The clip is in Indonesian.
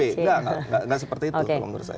enggak enggak seperti itu menurut saya